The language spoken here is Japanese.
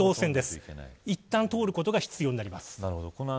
いったん通ることが必要になります。